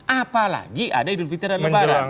apalagi ada idul fitri dan lebaran